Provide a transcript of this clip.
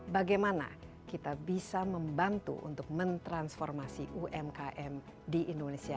bagaimana kita bisa membantu untuk mentransformasi umkm di indonesia